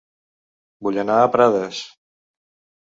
Vull anar a Prades